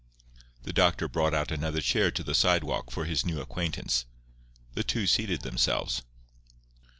The doctor brought out another chair to the sidewalk for his new acquaintance. The two seated themselves.